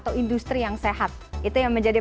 atau industri yang sehat itu yang menjadi